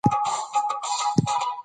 سپکاوی یې کوي او هڅه کوي دا ژبه